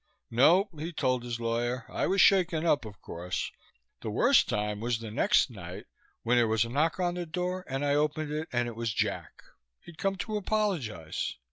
"No," he told his lawyer, "I was shaken up, of course. The worst time was the next night, when there was a knock on the door and I opened it and it was Jack. He'd come to apologize.